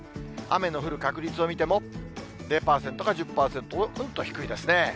雨の降る確率を見ても、０％か１０％、うんと低いですね。